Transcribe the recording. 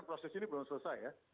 proses ini belum selesai ya